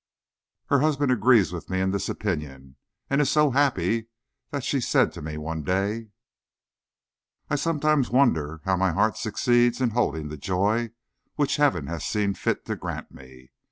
Her husband agrees with me in this opinion, and is so happy that she said to me one day: "I sometimes wonder how my heart succeeds in holding the joy which Heaven has seen fit to grant me.